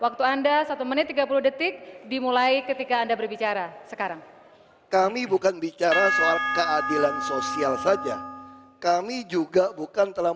kami juga bukan telah